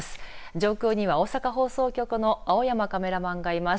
上空には大阪放送局の青山カメラマンがいます。